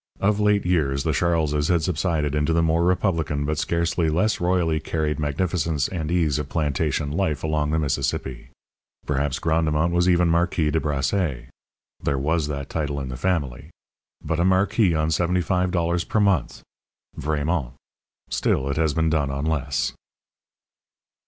Of late years the Charleses had subsided into the more republican but scarcely less royally carried magnificence and ease of plantation life along the Mississippi. Perhaps Grandemont was even Marquis de Brassé. There was that title in the family. But a Marquis on seventy five dollars per month! Vraiment! Still, it has been done on less.